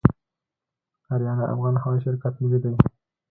اریانا افغان هوایی شرکت ملي دی